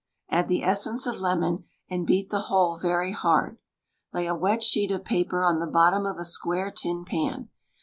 Add the essence of lemon, and beat the whole very hard. Lay a wet sheet of paper on the bottom of a square tin pan.